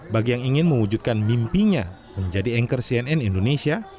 bagi yang ingin mewujudkan mimpinya menjadi anchor cnn indonesia